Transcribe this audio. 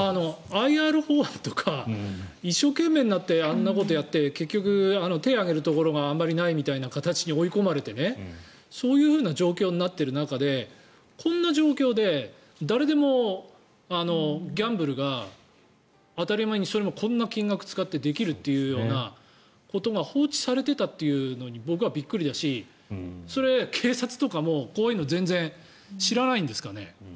ＩＲ法とか一生懸命になってあんなことをやって手を挙げるところがあんまりないみたいな形に追い込まれてそういう状況になってる中でこんな状況で誰でもギャンブルが当たり前にそれも、こんな金額使ってできるっていうようなことが放置されていたというのに僕はびっくりだしそれは警察とかもこういうの全然知らないんですかね。